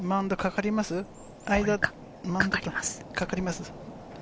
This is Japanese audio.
かかります。